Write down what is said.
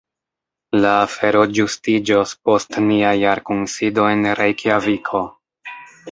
La afero ĝustiĝos post nia jarkunsido en Rejkjaviko.